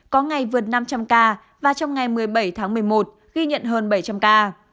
có ngày vượt năm trăm linh ca và trong ngày một mươi bảy tháng một mươi một ghi nhận hơn bảy trăm linh ca